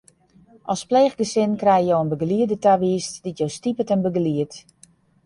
As pleechgesin krije jo in begelieder tawiisd dy't jo stipet en begeliedt.